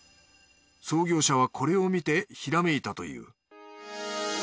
創業者はこれを見てひらめいたという。